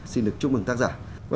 xin được chúc mừng tác giả